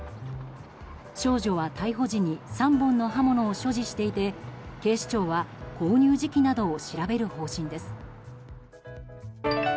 少女は逮捕時に３本の刃物を所持していて警視庁は購入時期などを調べる方針です。